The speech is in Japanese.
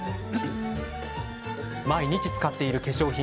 毎日、使っている化粧品。